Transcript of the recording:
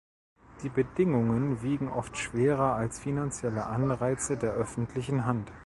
Die Bedingungen wiegen oft schwerer als finanzielle Anreize der öffentlichen Hand.